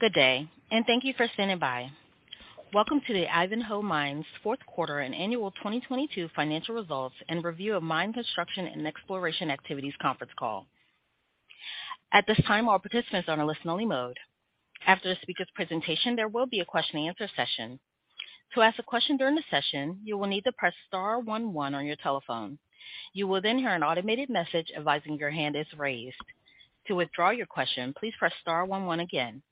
Good day. Thank you for standing by. Welcome to the Ivanhoe Mines fourth quarter and annual 2022 financial results and review of mine construction and exploration activities conference call. At this time, all participants are on a listen-only mode. After the speaker's presentation, there will be a question and answer session. To ask a question during the session, you will need to press star one one on your telephone. You will hear an automated message advising your hand is raised. To withdraw your question, please press star one one again.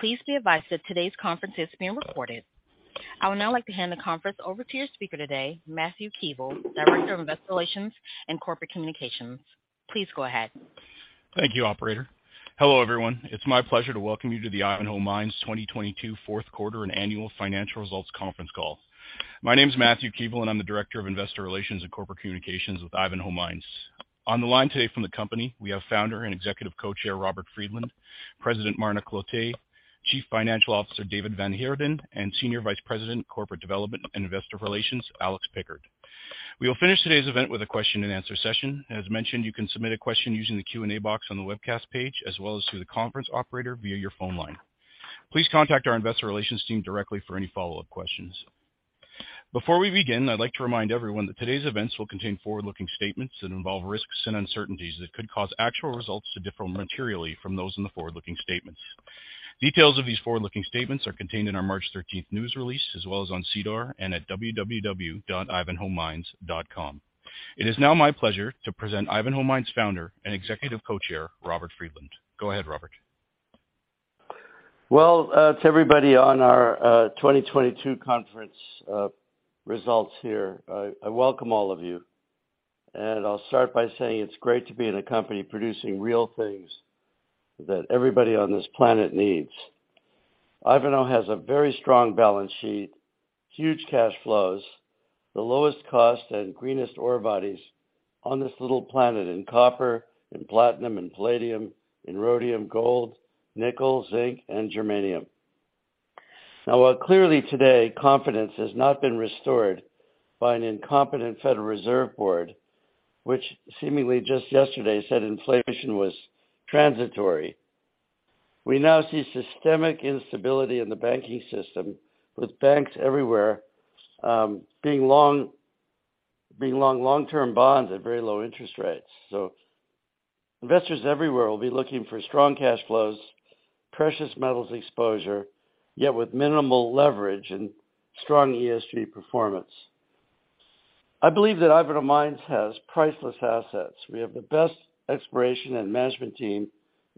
Please be advised that today's conference is being recorded. I would now like to hand the conference over to your speaker today, Matthew Keevil, Director of Investor Relations and Corporate Communications. Please go ahead. Thank you, operator. Hello, everyone. It's my pleasure to welcome you to the Ivanhoe Mines 2022 fourth quarter and annual financial results conference call. My name is Matthew Keevil, I'm the Director of Investor Relations and Corporate Communications with Ivanhoe Mines. On the line today from the company, we have Founder and Executive Co-Chair, Robert Friedland, President, Marna Cloete, Chief Financial Officer, David van Heerden, and Senior Vice President, Corporate Development and Investor Relations, Alex Pickard. We will finish today's event with a question-and-answer session. As mentioned, you can submit a question using the Q&A box on the webcast page, as well as through the conference operator via your phone line. Please contact our investor relations team directly for any follow-up questions. Before we begin, I'd like to remind everyone that today's events will contain forward-looking statements that involve risks and uncertainties that could cause actual results to differ materially from those in the forward-looking statements. Details of these forward-looking statements are contained in our March 13th news release, as well as on SEDAR and at www.ivanhoemines.com. It is now my pleasure to present Ivanhoe Mines Founder and Executive Co-Chair, Robert Friedland. Go ahead, Robert. Well, to everybody on our 2022 conference results here, I welcome all of you. I'll start by saying it's great to be in a company producing real things that everybody on this planet needs. Ivanhoe has a very strong balance sheet, huge cash flows, the lowest cost and greenest ore bodies on this little planet in copper, in platinum, in palladium, in rhodium, gold, nickel, zinc, and germanium. Now, while clearly today, confidence has not been restored by an incompetent Federal Reserve Board, which seemingly just yesterday said inflation was transitory. We now see systemic instability in the banking system, with banks everywhere, being long long-term bonds at very low interest rates. Investors everywhere will be looking for strong cash flows, precious metals exposure, yet with minimal leverage and strong ESG performance. I believe that Ivanhoe Mines has priceless assets. We have the best exploration and management team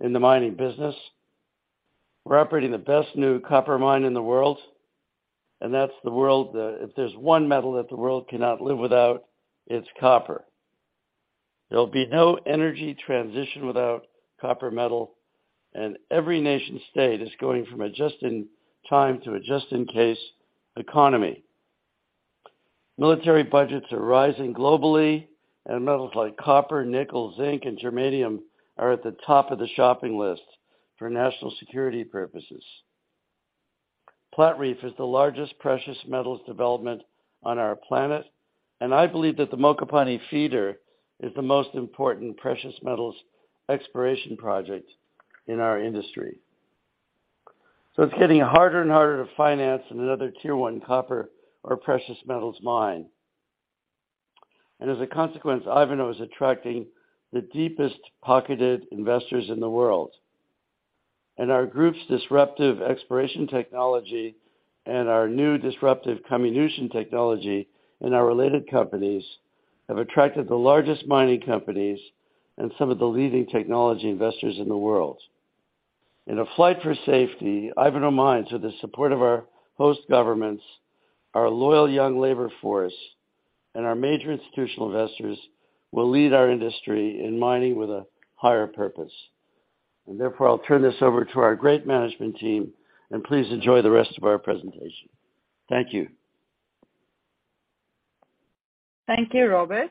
in the mining business. We're operating the best new copper mine in the world. That's the world that if there's one metal that the world cannot live without, it's copper. There'll be no energy transition without copper metal. Every nation state is going from a just-in-time to a just-in-case economy. Military budgets are rising globally. Metals like copper, nickel, zinc, and germanium are at the top of the shopping list for national security purposes. Platreef is the largest precious metals development on our planet. I believe that the Mokopane Feeder is the most important precious metals exploration project in our industry. It's getting harder and harder to finance another tier one copper or precious metals mine. As a consequence, Ivanhoe is attracting the deepest-pocketed investors in the world. Our group's disruptive exploration technology and our new disruptive comminution technology in our related companies have attracted the largest mining companies and some of the leading technology investors in the world. In a flight for safety, Ivanhoe Mines, with the support of our host governments, our loyal young labor force, and our major institutional investors, will lead our industry in mining with a higher purpose. Therefore, I'll turn this over to our great management team, and please enjoy the rest of our presentation. Thank you. Thank you, Robert.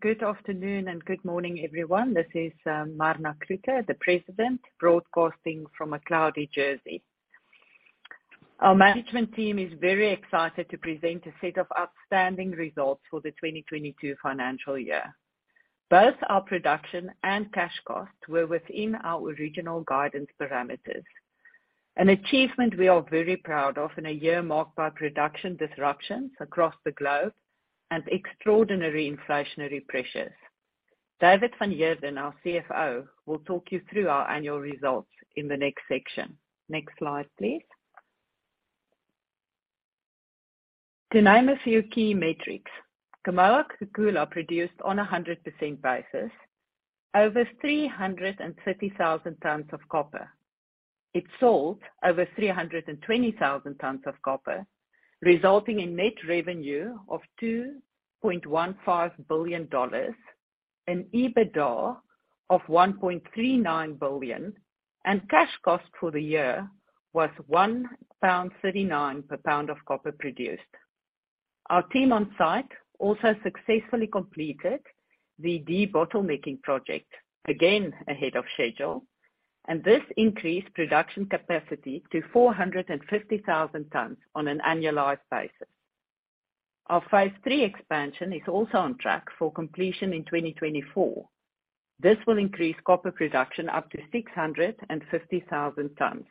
Good afternoon and good morning, everyone. This is Marna Cloete, the President, broadcasting from a cloudy Jersey. Our management team is very excited to present a set of outstanding results for the 2022 financial year. Both our production and cash costs were within our original guidance parameters, an achievement we are very proud of in a year marked by production disruptions across the globe and extraordinary inflationary pressures. David van Heerden, our CFO, will talk you through our annual results in the next section. Next slide, please. To name a few key metrics, Kamoa-Kakula produced on a 100% basis over 330,000 tons of copper. It sold over 320,000 tons of copper, resulting in net revenue of $2.15 billion, an EBITDA of $1.39 billion, cash cost for the year was $1.39 per pound of copper produced. Our team on-site also successfully completed the debottlenecking project, again ahead of schedule, this increased production capacity to 450,000 tons on an annualized basis. Our Phase 3 expansion is also on track for completion in 2024. This will increase copper production up to 650,000 tons.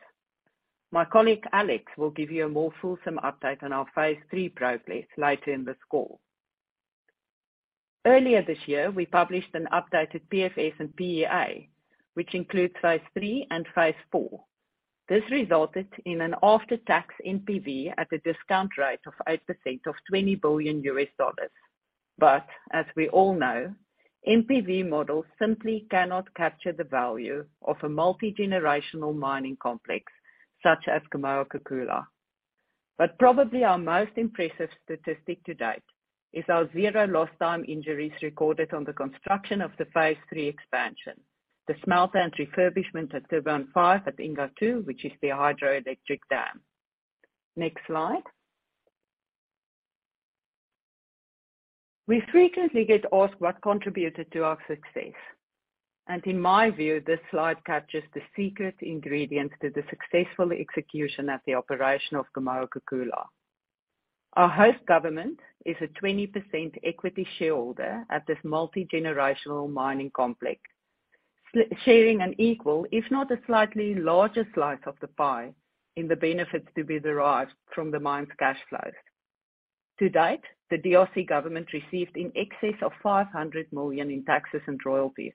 My colleague, Alex, will give you a more fulsome update on our Phase 3 progress later in this call. Earlier this year, we published an updated PFS and PEA, which includes Phase 3 and Phase 4. This resulted in an after-tax NPV at a discount rate of 8% of $20 billion. As we all know, NPV models simply cannot capture the value of a multi-generational mining complex such as Kamoa-Kakula. Probably our most impressive statistic to date is our 0 lost time injuries recorded on the construction of the Phase 3 expansion, the smelter and refurbishment at turbine 5 at Inga 2, which is the hydroelectric dam. Next slide. We frequently get asked what contributed to our success, and in my view, this slide captures the secret ingredient to the successful execution at the operation of Kamoa-Kakula. Our host government is a 20% equity shareholder at this multi-generational mining complex, sharing an equal, if not a slightly larger slice of the pie in the benefits to be derived from the mine's cash flows. To date, the DRC government received in excess of $500 million in taxes and royalties.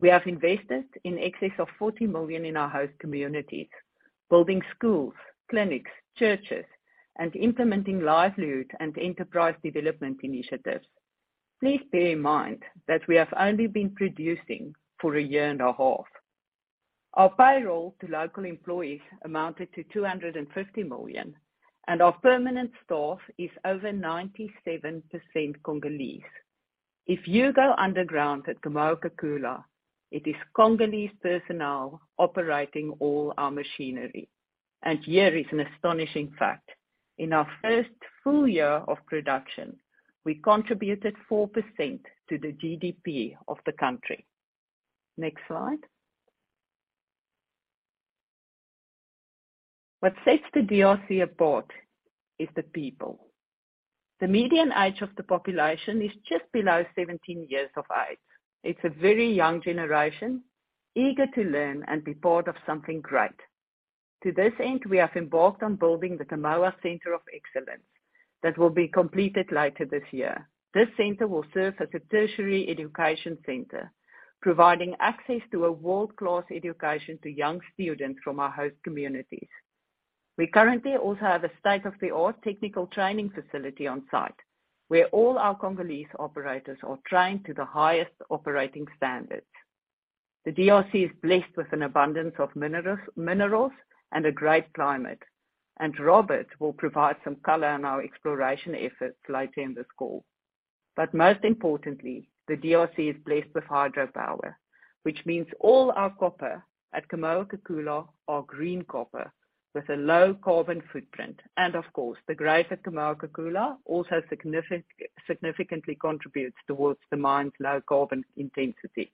We have invested in excess of $40 million in our host communities, building schools, clinics, churches, and implementing livelihood and enterprise development initiatives. Please bear in mind that we have only been producing for a year and a half. Our payroll to local employees amounted to $250 million, and our permanent staff is over 97% Congolese. If you go underground at Kamoa-Kakula, it is Congolese personnel operating all our machinery. Here is an astonishing fact. In our first full year of production, we contributed 4% to the GDP of the country. Next slide. What sets the DRC apart is the people. The median age of the population is just below 17 years of age. It's a very young generation, eager to learn and be part of something great. To this end, we have embarked on building the Kamoa Center of Excellence that will be completed later this year. This center will serve as a tertiary education center, providing access to a world-class education to young students from our host communities. We currently also have a state-of-the-art technical training facility on site, where all our Congolese operators are trained to the highest operating standards. The DRC is blessed with an abundance of minerals and a great climate. Robert will provide some color on our exploration efforts later in this call. Most importantly, the DRC is blessed with hydropower, which means all our copper at Kamoa-Kakula are green copper with a low carbon footprint. Of course, the greater Kamoa-Kakula also significantly contributes towards the mine's low carbon intensity.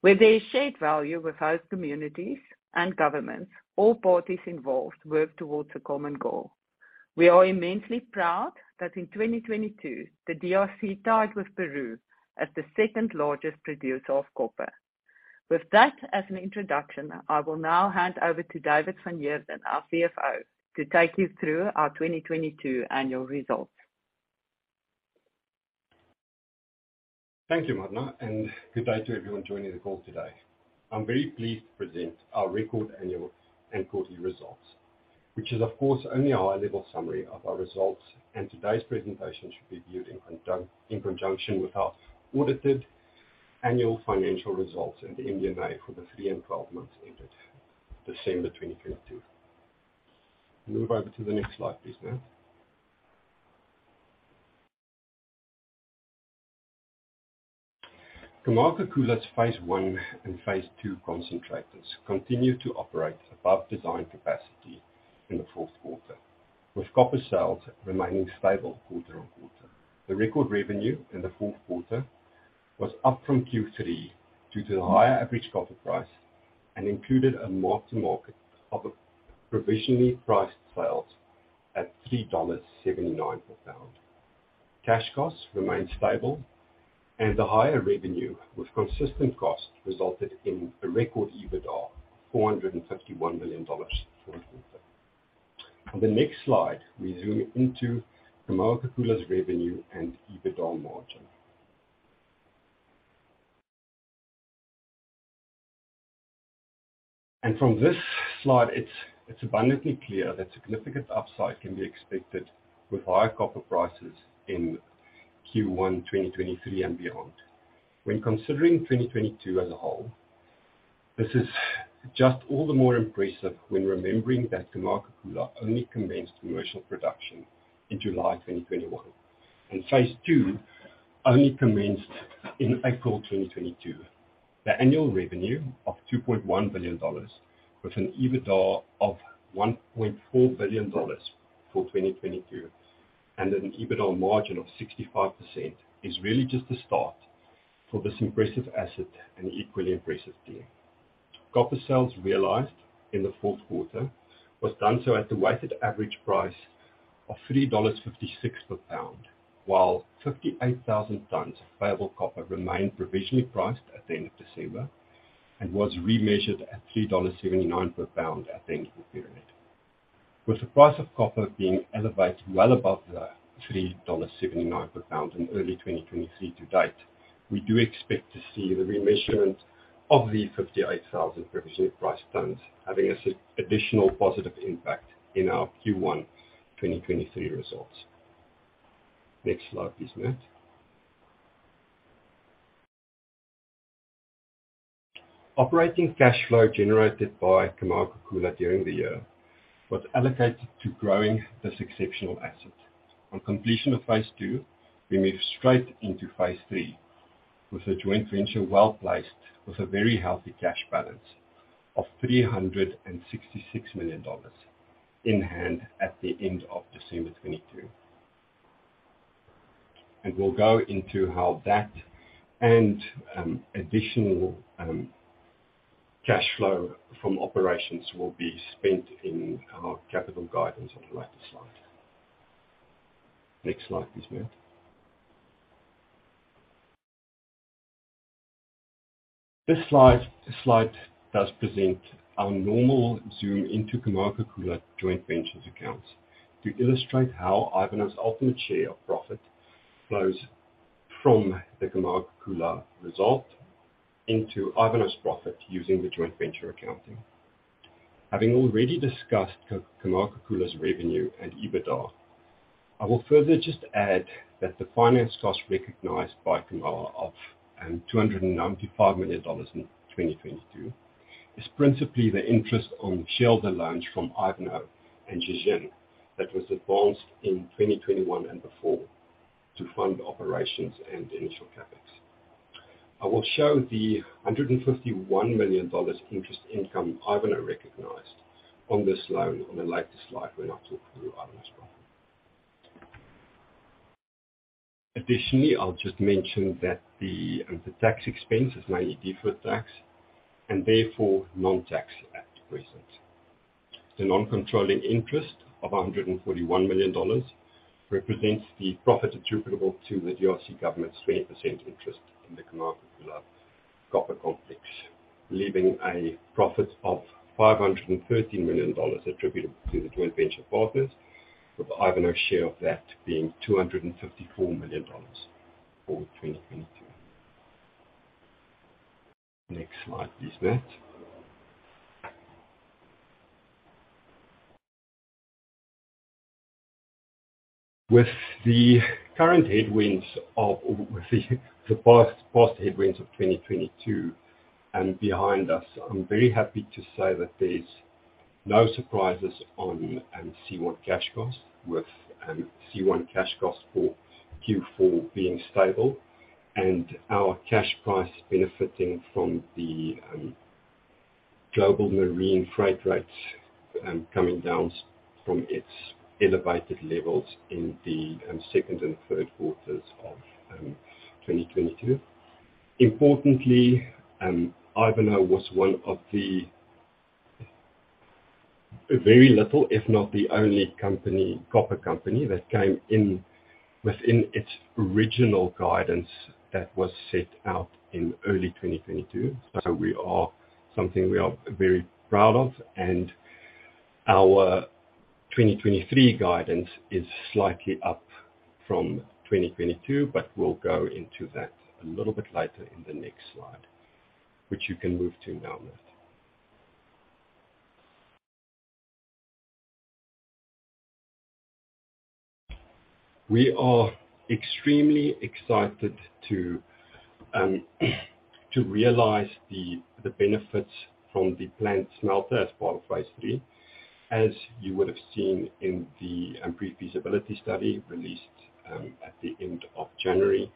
Where there is shared value with host communities and governments, all parties involved work towards a common goal. We are immensely proud that in 2022, the DRC tied with Peru as the second largest producer of copper. With that as an introduction, I will now hand over to David van Heerden, our CFO, to take you through our 2022 annual results. Thank you, Marna. Good day to everyone joining the call today. I'm very pleased to present our record annual and quarterly results, which is, of course, only a high-level summary of our results, and today's presentation should be viewed in conjunction with our audited annual financial results and MD&A for the 3 and 12 months ended December 2022. Move over to the next slide, please, ma'am. Kamoa-Kakula's phase one and phase two concentrators continued to operate above design capacity in the fourth quarter, with copper sales remaining stable quarter-on-quarter. The record revenue in the fourth quarter was up from Q3 due to the higher average copper price and included a mark-to-market of a provisionally priced sales at $3.79 per pound. Cash costs remained stable, the higher revenue with consistent cost resulted in a record EBITDA, $451 million for the quarter. On the next slide, we zoom into Kamoa-Kakula's revenue and EBITDA margin. From this slide, it's abundantly clear that significant upside can be expected with higher copper prices in Q1 2023 and beyond. When considering 2022 as a whole, this is just all the more impressive when remembering that Kamoa-Kakula only commenced commercial production in July 2021, and phase two only commenced in April 2022. The annual revenue of $2.1 billion with an EBITDA of $1.4 billion for 2022 and an EBITDA margin of 65% is really just the start for this impressive asset and equally impressive team. Copper sales realized in the fourth quarter was done so at the weighted average price of $3.56 per pound, while 58,000 tons of payable copper remained provisionally priced at the end of December and was remeasured at $3.79 per pound at the end of the period. With the price of copper being elevated well above the $3.79 per pound in early 2023 to date, we do expect to see the remeasurement of the 58,000 provisionally priced tons having an additional positive impact in our Q1 2023 results. Next slide, please, Matt. Operating cash flow generated by Kamoa-Kakula during the year was allocated to growing this exceptional asset. On completion of phase two, we move straight into Phase 3, with the joint venture well-placed, with a very healthy cash balance of $366 million in hand at the end of December 2022. We'll go into how that and additional cash flow from operations will be spent in our capital guidance on a later slide. Next slide, please, Matt. This slide does present our normal zoom into Kamoa-Kakula joint venture's accounts to illustrate how Ivanhoe's ultimate share of profit flows from the Kamoa-Kakula result into Ivanhoe's profit using the joint venture accounting. Having already discussed Kamoa-Kakula's revenue and EBITDA, I will further just add that the finance costs recognized by Kamoa of $295 million in 2022 is principally the interest on shareholder loans from Ivanhoe and Zhejiang that was advanced in 2021 and before to fund operations and initial CapEx. I will show the $151 million interest income Ivanhoe recognized on this loan on a later slide when I talk through Ivanhoe's profit. I'll just mention that the tax expense is mainly deferred tax and therefore non-tax at present. The non-controlling interest of $141 million represents the profit attributable to the DRC government's 20% interest in the Kamoa-Kakula copper complex, leaving a profit of $513 million attributable to the joint venture partners, with Ivanhoe's share of that being $254 million for 2022. Next slide, please, Matt. With the current headwinds or with the past headwinds of 2022 behind us, I'm very happy to say that there's no surprises on C1 cash costs, with C1 cash costs for Q4 being stable and our cash price benefiting from the global marine freight rates coming down from its elevated levels in the second and third quarters of 2022. Importantly, Ivanhoe was one of the very little, if not the only company, copper company that came in within its original guidance that was set out in early 2022. Something we are very proud of. Our 2023 guidance is slightly up from 2022, but we'll go into that a little bit later in the next slide, which you can move to now, Matt. We are extremely excited to realize the benefits from the plant smelter as part of Phase 3. As you would have seen in the pre-feasibility study released at the end of January,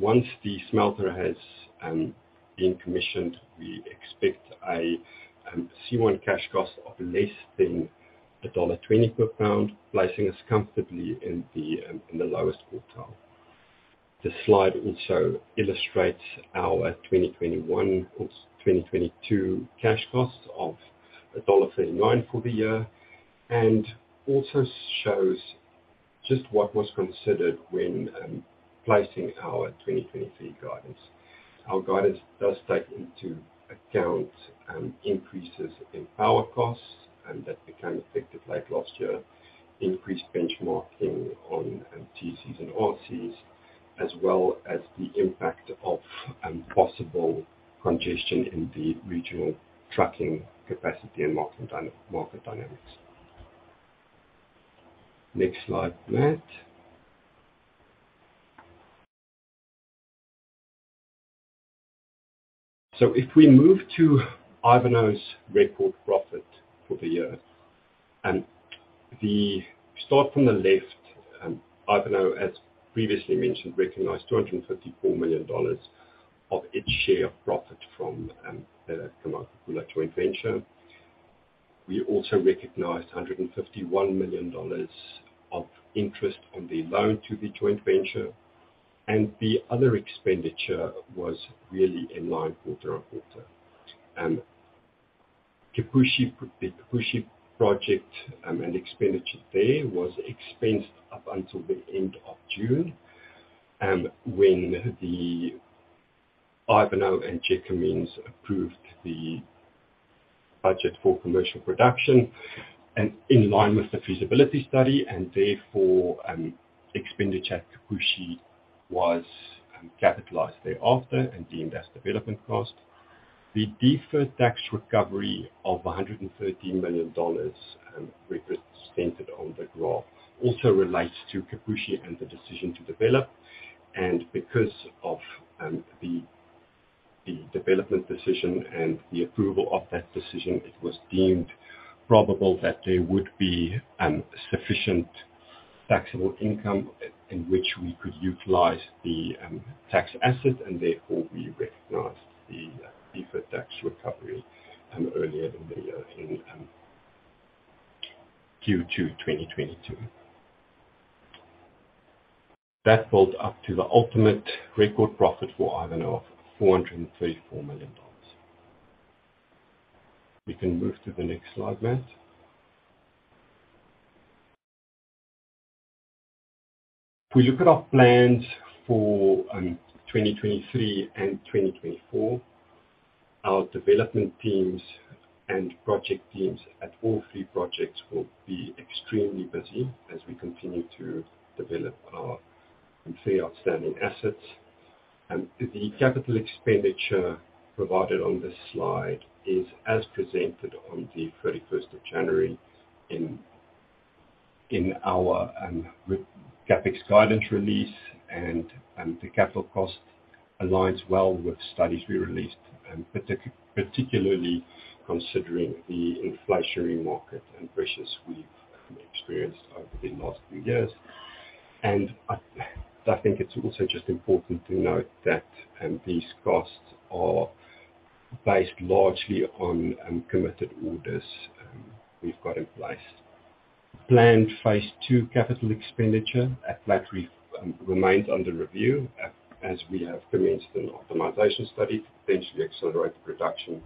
Once the smelter has been commissioned, we expect a C1 cash cost of less than $1.20 per pound, placing us comfortably in the lowest quartile. This slide also illustrates our 2021 or 2022 cash costs of $1.39 for the year and also shows just what was considered when placing our 2023 guidance. Our guidance does take into account increases in power costs, and that became effective late last year, increased benchmarking on TC/RCs, as well as the impact of possible congestion in the regional trucking capacity and market dynamics. Next slide, Matt. If we move to Ivanhoe's record profit for the year, Start from the left, Ivanhoe, as previously mentioned, recognized $254 million of its share of profit from the Kamoa-Kakula joint venture. We also recognized $151 million of interest on the loan to the joint venture, the other expenditure was really in line quarter-on-quarter. The Kipushi project and expenditure there was expensed up until the end of June, when Ivanhoe and Gécamines approved the budget for commercial production and in line with the feasibility study, and therefore, expenditure at Kipushi was capitalized thereafter and deemed as development cost. The deferred tax recovery of $113 million represented on the graph also relates to Kipushi and the decision to develop. Because of the development decision and the approval of that decision, it was deemed probable that there would be sufficient taxable income in which we could utilize the tax asset, and therefore we recognized the deferred tax recovery earlier in the year in Q2 2022. That builds up to the ultimate record profit for Ivanhoe of $434 million. We can move to the next slide, Matt. If we look at our plans for 2023 and 2024, our development teams and project teams at all 3 projects will be extremely busy as we continue to develop our 3 outstanding assets. The capital expenditure provided on this slide is as presented on the 31st of January in our CapEx guidance release and the capital cost aligns well with studies we released, particularly considering the inflationary market and pressures we've experienced over the last few years. I think it's also just important to note that these costs are based largely on committed orders we've got in place. Planned phase two capital expenditure at Platreef remains under review as we have commenced an optimization study to potentially accelerate the production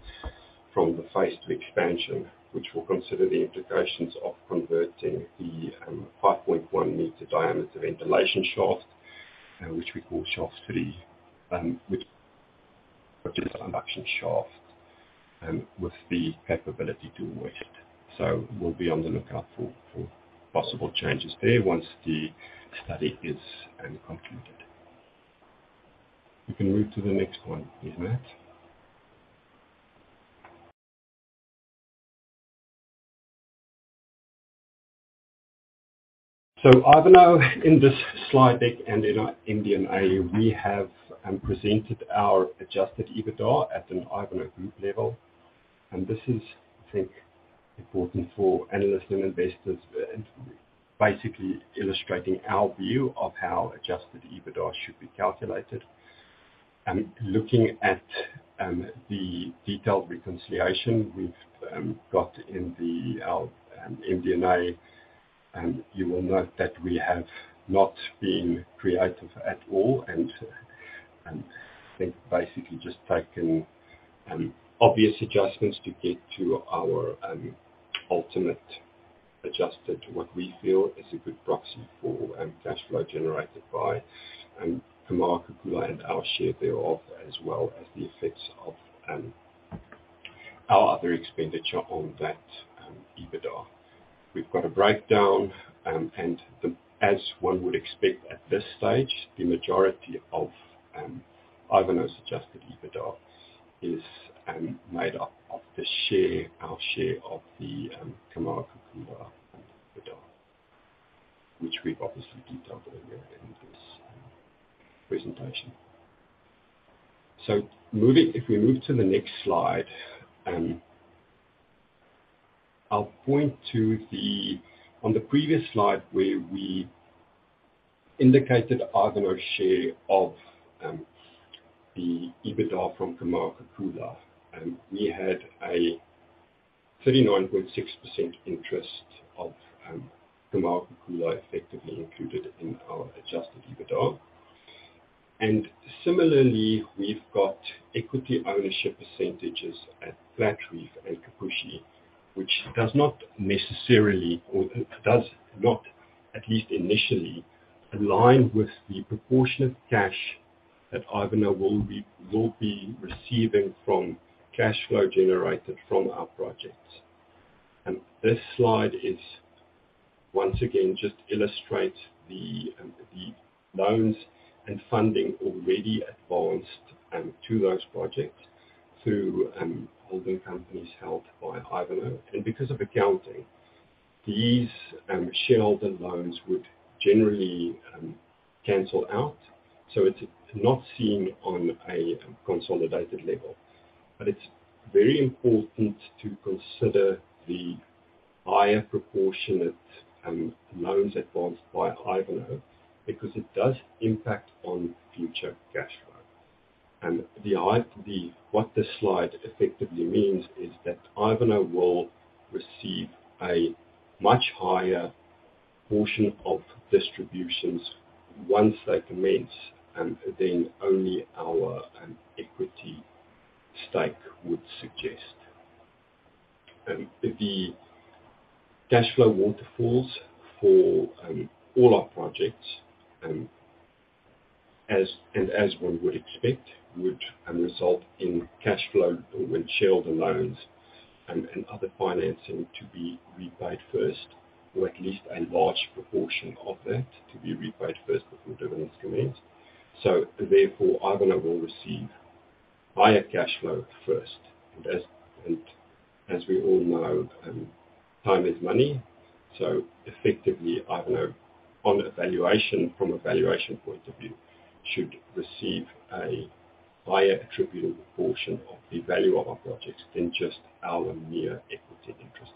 from the phase two expansion, which will consider the implications of converting the 5.1 meter diameter ventilation shaft, which we call shaft three. Ivanhoe in this slide deck and in our MD&A, we have presented our adjusted EBITDA at an Ivanhoe group level. This is, I think, important for analysts and investors, basically illustrating our view of how adjusted EBITDA should be calculated. Looking at the detailed reconciliation we've got in the our MD&A, you will note that we have not been creative at all and I think basically just taken obvious adjustments to get to our ultimate adjusted to what we feel is a good proxy for cash flow generated by Kamoa-Kakula and our share thereof, as well as the effects of our other expenditure on that EBITDA. We've got a breakdown. As one would expect at this stage, the majority of Ivanhoe suggested EBITDA is made up of the share, our share of the Kamoa-Kakula EBITDA, which we've obviously detailed earlier in this presentation. If we move to the next slide, on the previous slide where we indicated Ivanhoe share of the EBITDA from Kamoa-Kakula, we had a 39.6% interest of Kamoa-Kakula effectively included in our adjusted EBITDA. Similarly, we've got equity ownership percentages at Platreef and Kipushi, which does not necessarily or does not, at least initially, align with the proportionate cash that Ivanhoe will be receiving from cash flow generated from our projects. This slide is once again just illustrates the loans and funding already advanced to those projects through holding companies held by Ivanhoe. Because of accounting, these shareholder loans would generally cancel out, so it's not seen on a consolidated level. It's very important to consider the higher proportionate loans advanced by Ivanhoe because it does impact on future cash flow. What this slide effectively means is that Ivanhoe will receive a much higher portion of distributions once they commence, and then only our equity stake would suggest. The cash flow waterfalls for all our projects as one would expect, would result in cash flow when shareholder loans and other financing to be repaid first, or at least a large proportion of that to be repaid first before dividends commence. Therefore, Ivanhoe will receive higher cash flow first. As we all know, time is money, effectively Ivanhoe, on a valuation, from a valuation point of view, should receive a higher attributable portion of the value of our projects than just our mere equity interest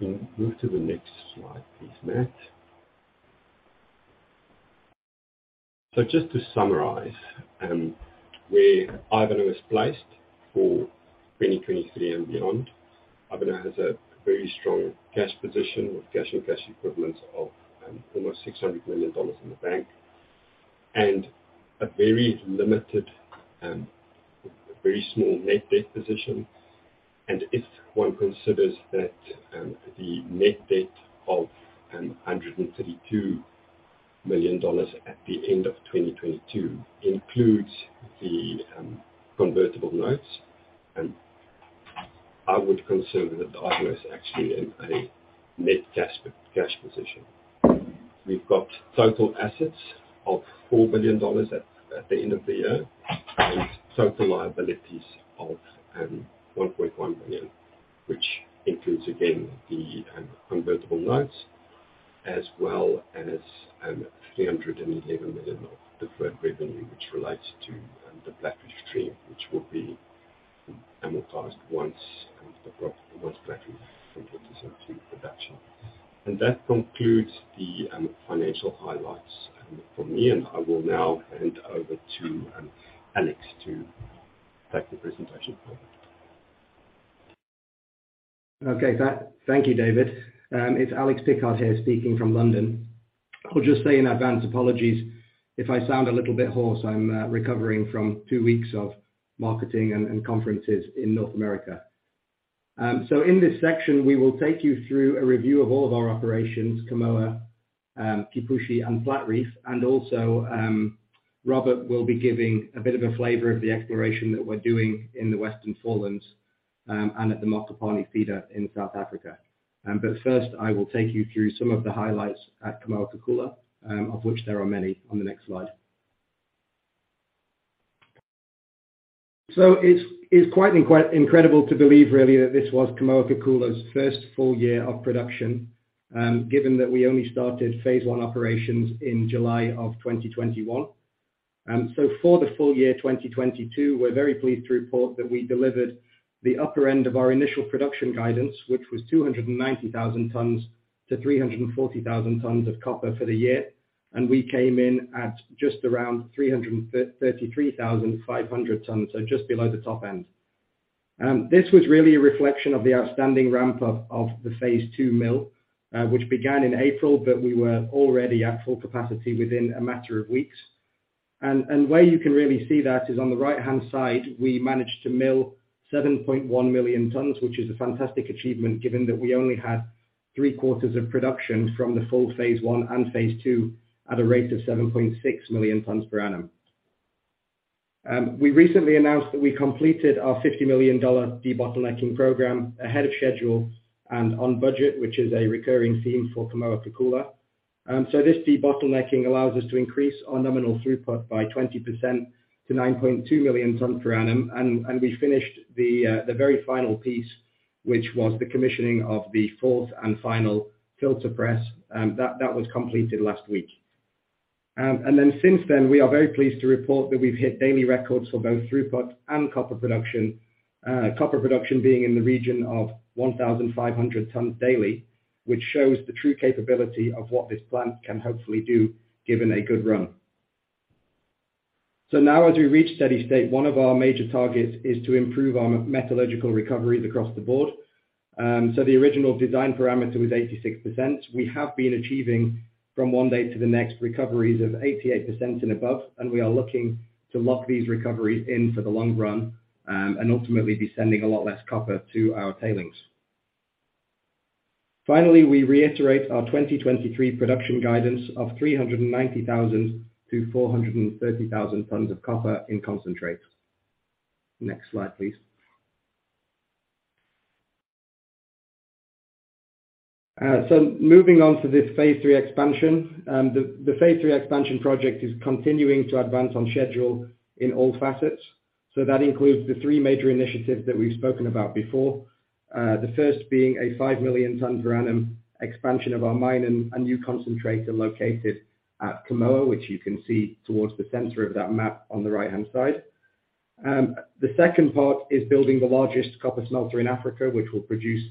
in them. Move to the next slide, please, Matt. Just to summarize, where Ivanhoe is placed for 2023 and beyond. Ivanhoe has a very strong cash position with cash and cash equivalents of almost $600 million in the bank, and a very limited, very small net debt position. If one considers that the net debt of $132 million at the end of 2022 includes the convertible notes, I would consider that Ivanhoe is actually in a net cash position. We've got total assets of $4 billion at the end of the year and total liabilities of $1.1 billion, which includes again, the convertible notes as well as $311 million of deferred revenue, which relates to the Platreef stream, which will be amortized once the Platreef goes into production. That concludes the financial highlights from me, and I will now hand over to Alex to take the presentation forward. Okay. Thank you, David. It's Alex Pickard here speaking from London. I'll just say in advance, apologies if I sound a little bit hoarse. I'm recovering from two weeks of marketing and conferences in North America. In this section, we will take you through a review of all of our operations, Kamoa, Kipushi, and Platreef. Also, Robert will be giving a bit of a flavor of the exploration that we're doing in the Western Forelands and at the Mokopane Feeder in South Africa. First, I will take you through some of the highlights at Kamoa-Kakula, of which there are many on the next slide. It's, it's quite incredible to believe really that this was Kamoa-Kakula's first full year of production, given that we only started phase one operations in July of 2021. For the full year 2022, we're very pleased to report that we delivered the upper end of our initial production guidance, which was 290,000 tonnes to 340,000 tonnes of copper for the year. We came in at just around 333,500 tonnes, just below the top end. This was really a reflection of the outstanding ramp up of the phase two mill, which began in April, but we were already at full capacity within a matter of weeks. Where you can really see that is on the right-hand side, we managed to mill 7.1 million tonnes, which is a fantastic achievement given that we only had three-quarters of production from the full phase one and phase two at a rate of 7.6 million tonnes per annum. We recently announced that we completed our $50 million debottlenecking program ahead of schedule and on budget, which is a recurring theme for Kamoa-Kakula. So this debottlenecking allows us to increase our nominal throughput by 20% to 9.2 million tonnes per annum. We finished the very final piece, which was the commissioning of the fourth and final filter press. That was completed last week. Since then, we are very pleased to report that we've hit daily records for both throughput and copper production. Copper production being in the region of 1,500 tons daily, which shows the true capability of what this plant can hopefully do given a good run. Now as we reach steady state, one of our major targets is to improve our metallurgical recoveries across the board. The original design parameter was 86%. We have been achieving from one day to the next, recoveries of 88% and above, and we are looking to lock these recoveries in for the long run, and ultimately be sending a lot less copper to our tailings. Finally, we reiterate our 2023 production guidance of 390,000-430,000 tons of copper in concentrate. Next slide, please. Moving on to this Phase 3 expansion. The Phase 3 expansion project is continuing to advance on schedule in all facets. That includes the three major initiatives that we've spoken about before. The first being a 5 million tons per annum expansion of our mine and a new concentrator located at Kamoa, which you can see towards the center of that map on the right-hand side. The second part is building the largest copper smelter in Africa, which will produce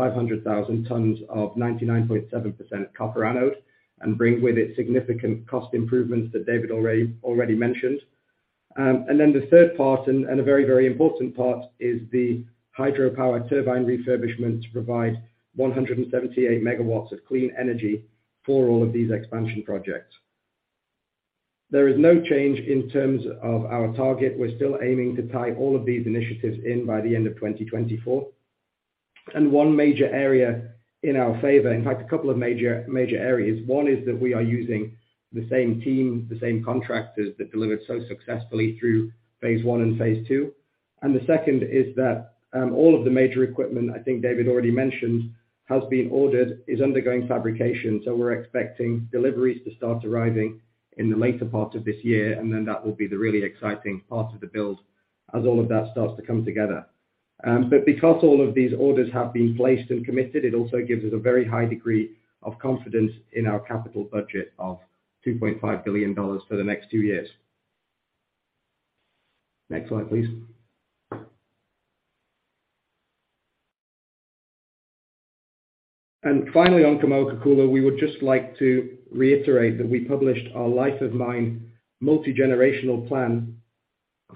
500,000 tons of 99.7% copper anode and bring with it significant cost improvements that David already mentioned. The third part, and a very important part is the hydropower turbine refurbishment to provide 178 megawatts of clean energy for all of these expansion projects. There is no change in terms of our target. We're still aiming to tie all of these initiatives in by the end of 2024. One major area in our favor, in fact, a couple of major areas. One is that we are using the same team, the same contractors that delivered so successfully through phase one and phase two. The second is that all of the major equipment, I think David already mentioned, has been ordered, is undergoing fabrication. We're expecting deliveries to start arriving in the later part of this year, and then that will be the really exciting part of the build as all of that starts to come together. Because all of these orders have been placed and committed, it also gives us a very high degree of confidence in our capital budget of $2.5 billion for the next 2 years. Next slide, please. Finally, on Kamoa-Kakula, we would just like to reiterate that we published our life of mine multi-generational plan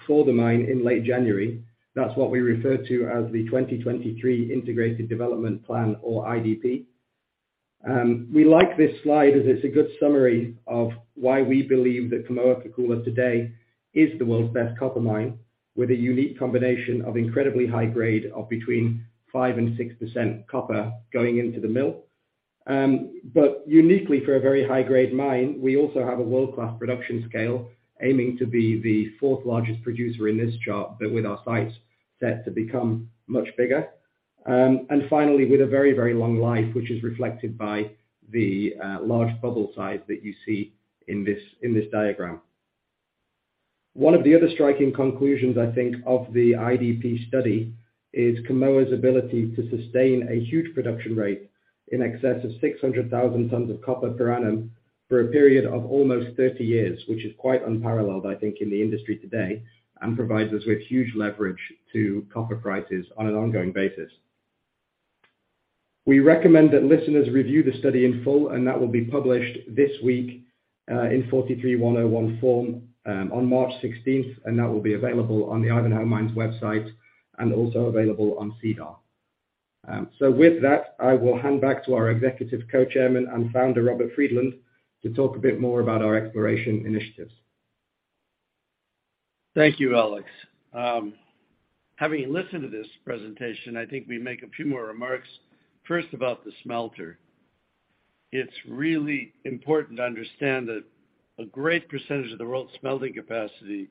for the mine in late January. That's what we refer to as the 2023 Integrated Development Plan or IDP. We like this slide as it's a good summary of why we believe that Kamoa-Kakula today is the world's best copper mine, with a unique combination of incredibly high grade of between 5% and 6% copper going into the mill. Uniquely for a very high-grade mine, we also have a world-class production scale aiming to be the 4th largest producer in this chart, but with our sights set to become much bigger. Finally, with a very, very long life, which is reflected by the large bubble size that you see in this diagram. One of the other striking conclusions I think of the IDP study is Kamoa's ability to sustain a huge production rate in excess of 600,000 tons of copper per annum for a period of almost 30 years, which is quite unparalleled, I think, in the industry today, and provides us with huge leverage to copper prices on an ongoing basis. We recommend that listeners review the study in full, and that will be published this week, in 43-101 form, on March 16th, and that will be available on the Ivanhoe Mines website and also available on SEDAR. With that, I will hand back to our Executive Co-Chairman and Founder, Robert Friedland, to talk a bit more about our exploration initiatives. Thank you, Alex. Having listened to this presentation, I think we make a few more remarks, first about the smelter. It's really important to understand that a great percentage of the world's smelting capacity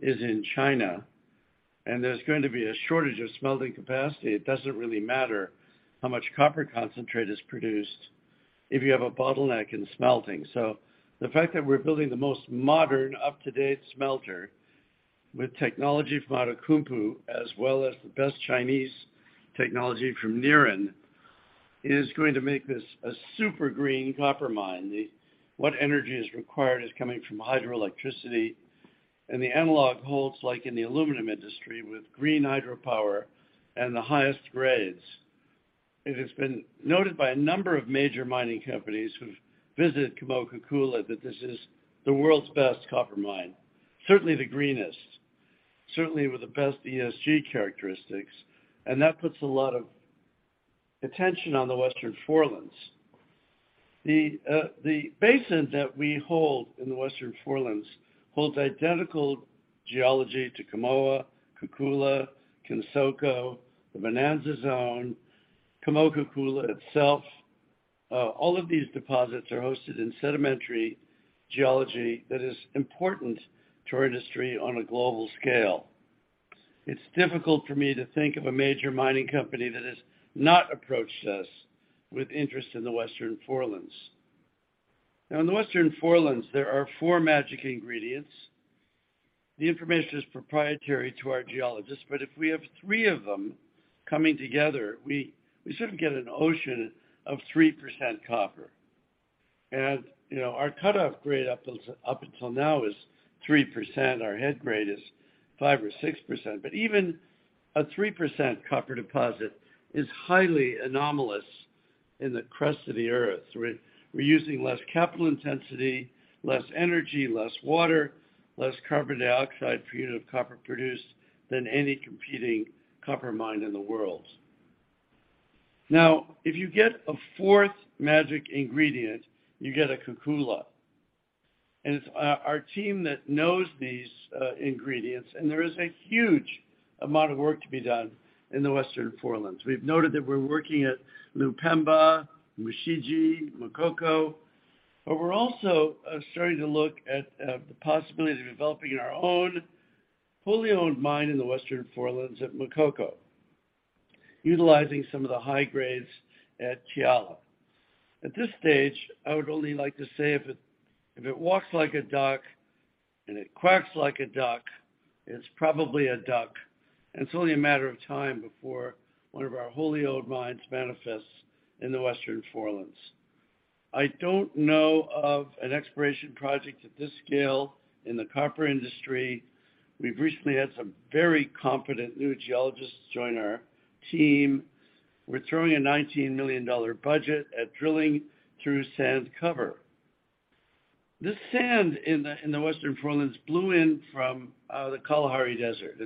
is in China. There's going to be a shortage of smelting capacity. It doesn't really matter how much copper concentrate is produced if you have a bottleneck in smelting. The fact that we're building the most modern, up-to-date smelter with technology from Outokumpu, as well as the best Chinese technology from Nerin, is going to make this a super green copper mine. The, what energy is required is coming from hydroelectricity and the analog holds like in the aluminum industry with green hydropower and the highest grades. It has been noted by a number of major mining companies who've visited Kamoa-Kakula that this is the world's best copper mine, certainly the greenest, certainly with the best ESG characteristics. That puts a lot of attention on the Western Forelands. The basin that we hold in the Western Forelands holds identical geology to Kamoa-Kakula, Kansoko, the Bonanza Zone, Kamoa-Kakula itself. All of these deposits are hosted in sedimentary geology that is important to our industry on a global scale. It's difficult for me to think of a major mining company that has not approached us with interest in the Western Forelands. In the Western Forelands, there are four magic ingredients. The information is proprietary to our geologists, but if we have three of them coming together, we sort of get an ocean of 3% copper. You know, our cutoff grade up until now is 3%. Our head grade is 5% or 6%. Even a 3% copper deposit is highly anomalous in the crust of the earth. We're using less capital intensity, less energy, less water, less carbon dioxide per unit of copper produced than any competing copper mine in the world. If you get a 4th magic ingredient, you get a Kakula. It's our team that knows these ingredients. There is a huge amount of work to be done in the Western Forelands. We've noted that we're working at Lupemba, Mushigi, Makoko, but we're also starting to look at the possibility of developing our own wholly owned mine in the Western Forelands at Makoko, utilizing some of the high grades at Kiala. At this stage, I would only like to say if it walks like a duck and it quacks like a duck, it's probably a duck, it's only a matter of time before one of our wholly owned mines manifests in the Western Forelands. I don't know of an exploration project at this scale in the copper industry. We've recently had some very confident new geologists join our team. We're throwing a $19 million budget at drilling through sand cover. This sand in the Western Forelands blew in from the Kalahari Desert,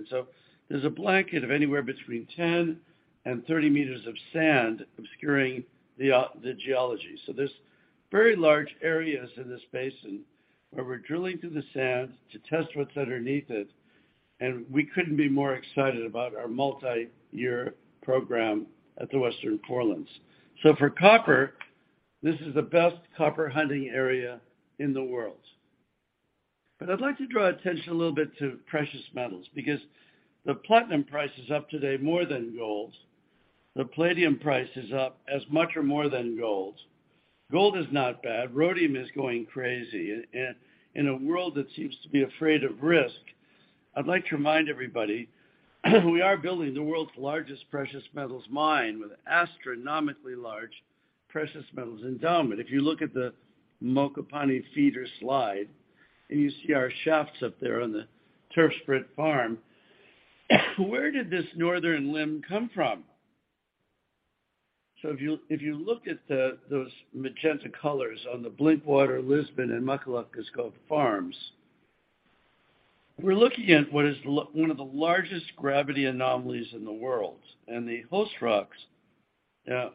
there's a blanket of anywhere between 10 and 30 meters of sand obscuring the geology. There's very large areas in this basin where we're drilling through the sand to test what's underneath it, and we couldn't be more excited about our multi-year program at the Western Forelands. For copper, this is the best copper hunting area in the world. I'd like to draw attention a little bit to precious metals because the platinum price is up today more than gold's. The palladium price is up as much or more than gold's. Gold is not bad. Rhodium is going crazy. In a world that seems to be afraid of risk, I'd like to remind everybody, we are building the world's largest precious metals mine with astronomically large precious metals endowment. If you look at the Mokopane Feeder slide, and you see our shafts up there on the Turfspruit farm, where did this northern limb come from? If you look at the, those magenta colors on the Blinkwater, Lisbon, and Macalacaskop farms, we're looking at what is one of the largest gravity anomalies in the world. The host rocks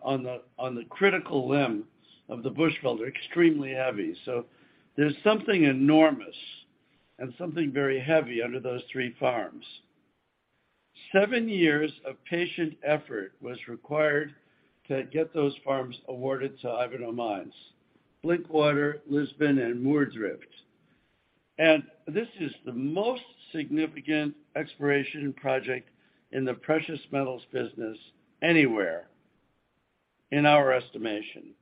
on the critical limb of the Bushveld are extremely heavy. There's something enormous and something very heavy under those three farms. Seven years of patient effort was required to get those farms awarded to Ivanhoe Mines, Blinkwater, Lisbon, and Moordrift. This is the most significant exploration project in the precious metals business anywhere, in our estimation.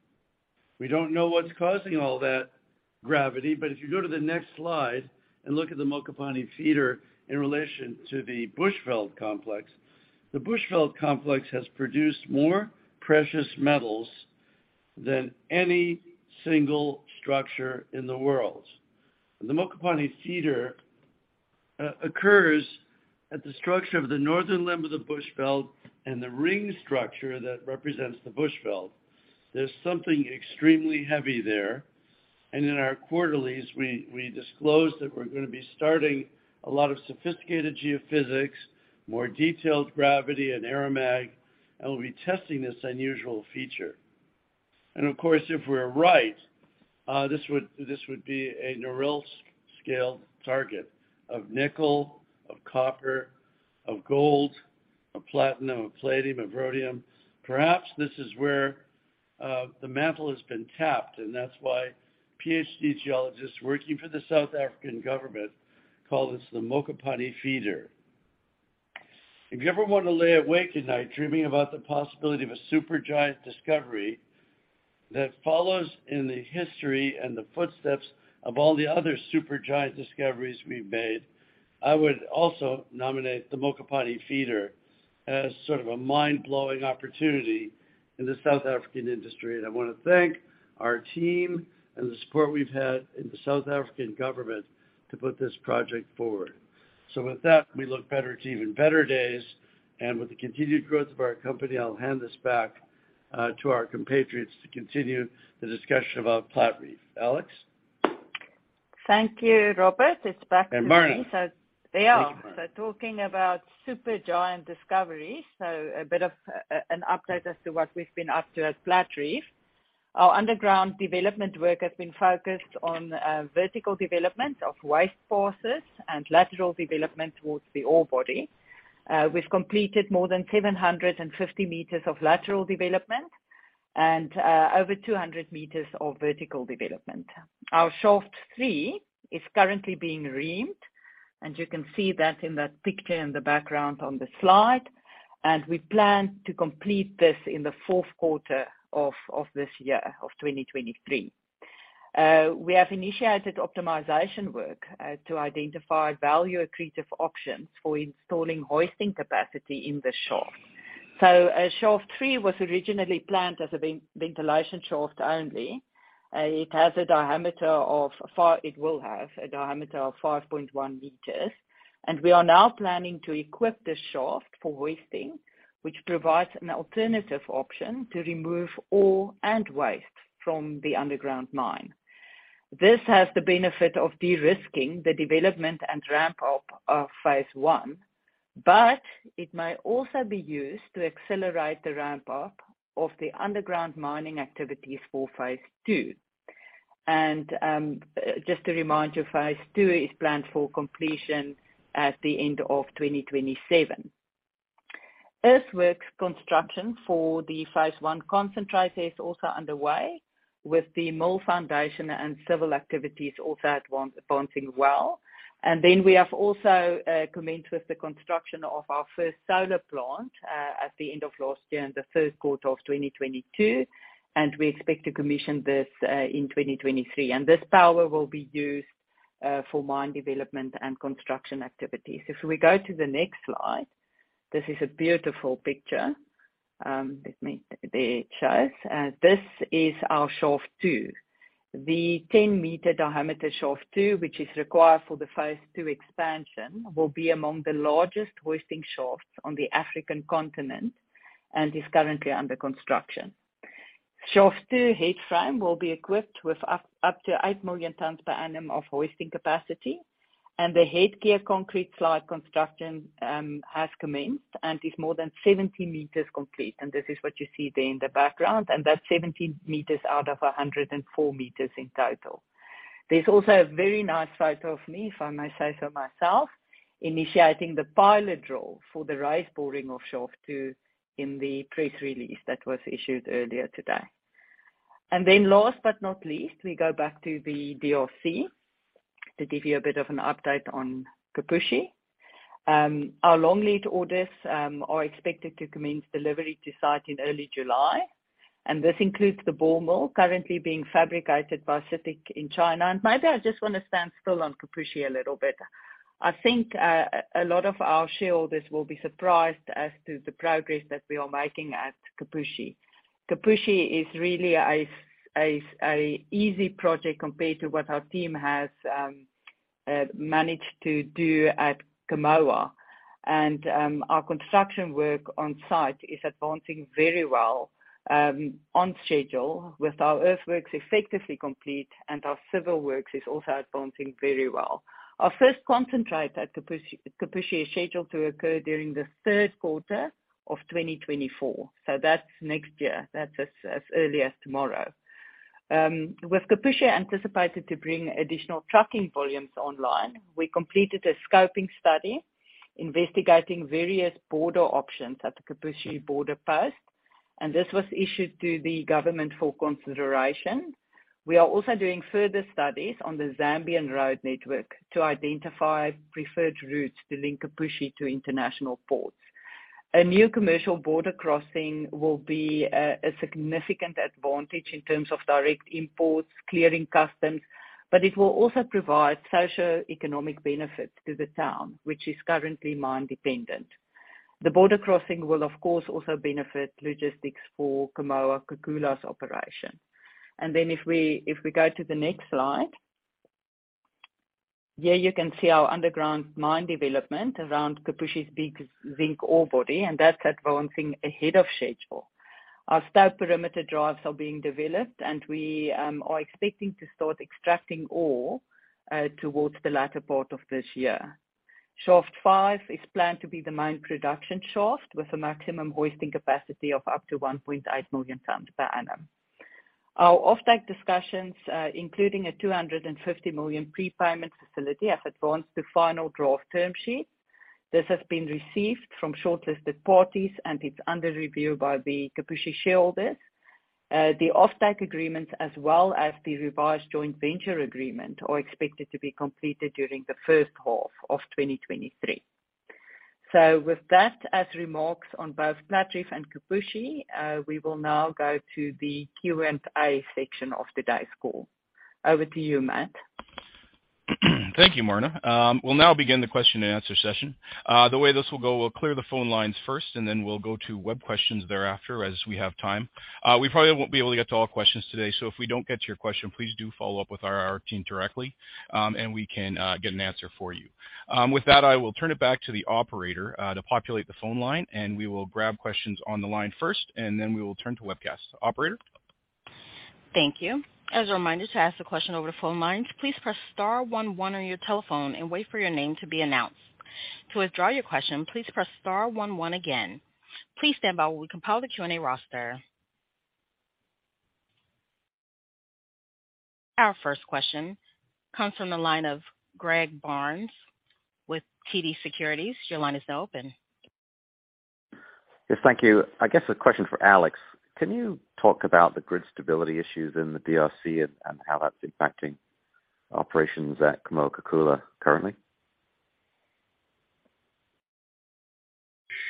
We don't know what's causing all that gravity, if you go to the next slide and look at the Mokopane feeder in relation to the Bushveld Complex, the Bushveld Complex has produced more precious metals than any single structure in the world. The Mokopane feeder occurs at the structure of the northern limb of the Bushveld and the ring structure that represents the Bushveld. There's something extremely heavy there. In our quarterlies, we disclosed that we're gonna be starting a lot of sophisticated geophysics, more detailed gravity and aeromag, and we'll be testing this unusual feature. Of course, if we're right, this would be a Norilsk scale target of nickel, of copper, of gold, of platinum, of palladium, of rhodium. Perhaps this is where the mantle has been tapped, and that's why PhD geologists working for the South African government call this the Mokopane Feeder. If you ever wanna lay awake at night dreaming about the possibility of a super giant discovery that follows in the history and the footsteps of all the other super giant discoveries we've made, I would also nominate the Mokopane Feeder as sort of a mind-blowing opportunity in the South African industry. I wanna thank our team and the support we've had in the South African government to put this project forward. With that, we look better to even better days. With the continued growth of our company, I'll hand this back to our compatriots to continue the discussion about Platreef. Alex? Thank you, Robert. It's back to me. Marna. There. Thank you, Marna. Talking about super giant discoveries, a bit of an update as to what we've been up to at Platreef. Our underground development work has been focused on vertical development of waste passes and lateral development towards the ore body. We've completed more than 750 meters of lateral development and over 200 meters of vertical development. Our shaft 3 is currently being reamed, and you can see that in that picture in the background on the slide. We plan to complete this in the fourth quarter of this year, of 2023. We have initiated optimization work to identify value-accretive options for installing hoisting capacity in the shaft. Shaft 3 was originally planned as a ventilation shaft only. It will have a diameter of 5.1 meters. We are now planning to equip this shaft for hoisting, which provides an alternative option to remove ore and waste from the underground mine. This has the benefit of de-risking the development and ramp up of phase one, but it may also be used to accelerate the ramp up of the underground mining activities for phase two. Just to remind you, phase two is planned for completion at the end of 2027. Earthworks construction for the phase one concentrator is also underway with the mill foundation and civil activities also advancing well. We have also commenced with the construction of our first solar plant at the end of last year, in the third quarter of 2022, and we expect to commission this in 2023. This power will be used for mine development and construction activities. If we go to the next slide. This is a beautiful picture. Let me. There it shows. This is our Shaft 2. The 10-meter diameter Shaft 2, which is required for the phase two expansion, will be among the largest hoisting shafts on the African continent and is currently under construction. Shaft 2 headframe will be equipped with up to 8 million tons per annum of hoisting capacity and the headgear concrete slide construction has commenced and is more than 70 meters complete. This is what you see there in the background, and that's 70 meters out of 104 meters in total. There's also a very nice photo of me, if I may say so myself, initiating the pilot role for the raise boring of Shaft 2 in the press release that was issued earlier today. Last but not least, we go back to the DRC to give you a bit of an update on Kipushi. Our long lead orders are expected to commence delivery to site in early July, and this includes the ball mill currently being fabricated by CITIC in China. Maybe I just wanna stand still on Kipushi a little bit. I think a lot of our shareholders will be surprised as to the progress that we are making at Kipushi. Kipushi is really a easy project compared to what our team has managed to do at Kamoa. Our construction work on site is advancing very well, on schedule with our earthworks effectively complete and our civil works is also advancing very well. Our first concentrate at Kipushi is scheduled to occur during the third quarter of 2024. That's next year. That's as early as tomorrow. With Kipushi anticipated to bring additional trucking volumes online, we completed a scoping study investigating various border options at the Kipushi border post, this was issued to the government for consideration. We are also doing further studies on the Zambian road network to identify preferred routes to link Kipushi to international ports. A new commercial border crossing will be a significant advantage in terms of direct imports, clearing customs, it will also provide socio-economic benefits to the town, which is currently mine-dependent. The border crossing will of course also benefit logistics for Kamoa-Kakula's operation. If we go to the next slide. Here you can see our underground mine development around Kipushi's big zinc ore body, that's advancing ahead of schedule. Our south-perimeter drives are being developed, and we are expecting to start extracting ore towards the latter part of this year. Shaft 5 is planned to be the mine production shaft with a maximum hoisting capacity of up to 1.8 million tons per annum. Our off-take discussions, including a $250 million prepayment facility, have advanced to final draft term sheet. This has been received from shortlisted parties, and it's under review by the Kipushi shareholders. The off-take agreement as well as the revised joint venture agreement are expected to be completed during the first half of 2023. With that, as remarks on both Platreef and Kipushi, we will now go to the Q&A section of today's call. Over to you, Matt. Thank you, Marna. We'll now begin the question and answer session. The way this will go, we'll clear the phone lines first, and then we'll go to web questions thereafter, as we have time. We probably won't be able to get to all questions today. If we don't get to your question, please do follow up with our IR team directly, and we can get an answer for you. With that, I will turn it back to the operator to populate the phone line, and we will grab questions on the line first, and then we will turn to webcast. Operator? Thank you. As a reminder to ask a question over the phone lines, please press star one one on your telephone and wait for your name to be announced. To withdraw your question, please press star one one again. Please stand by while we compile the Q&A roster. Our first question comes from the line of Greg Barnes with TD Securities. Your line is now open. Yes, thank you. I guess a question for Alex. Can you talk about the grid stability issues in the DRC and how that's impacting operations at Kamoa-Kakula currently?